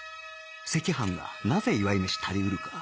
赤飯がなぜ祝い飯たり得るか